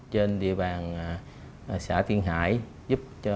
trong kế hoạch hai nghìn một mươi chín